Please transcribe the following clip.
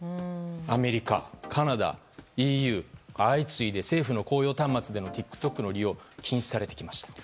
アメリカ、カナダ、ＥＵと相次いで政府の公用端末でのＴｉｋＴｏｋの利用が禁止されてきました。